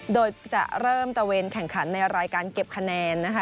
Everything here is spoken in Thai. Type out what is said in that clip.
โดยจะเริ่มตะเวนแข่งขันในรายการเก็บคะแนนนะคะ